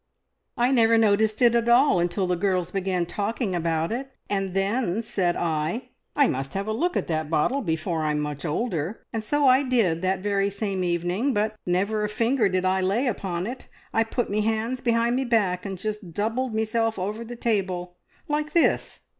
"I never noticed it at all until the girls began talking about it, and then said I, `I must have a look at that bottle before I'm much older,' and so I did that very same evening, but never a finger did I lay upon it. I put me hands behind me back and just doubled meself over the table like this!